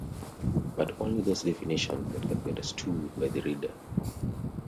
But only those definitions that can be understood by the reader.